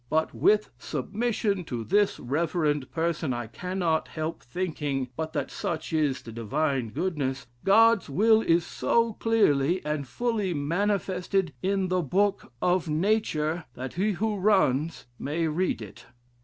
But with submission to this reverend person, I cannot help thinking, but that (such is the divine goodness) God's will is so clearly and fully manifested in the Book of Nature, that he who runs may read it."